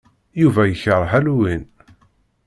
Yuba ikṛeh Halloween.